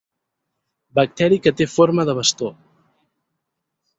Bacteri que té forma de bastó.